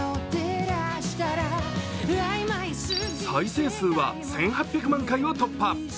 再生数は１８００万回を突破。